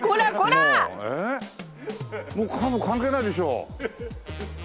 もうカープ関係ないでしょ。